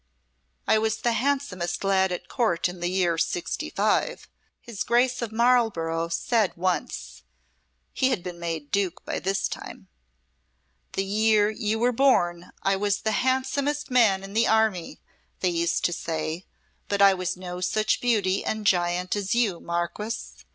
"I was the handsomest lad at Court in the year '65," his Grace of Marlborough said once (he had been made Duke by this time). "The year you were born I was the handsomest man in the army, they used to say but I was no such beauty and giant as you, Marquess.